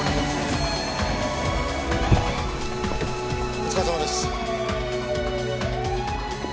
お疲れさまです。